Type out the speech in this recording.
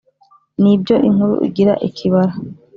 Ni ibyo inkuru igira ikibara,